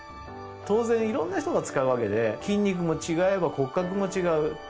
当然いろんな人が使うわけで筋肉も違えば骨格も違う。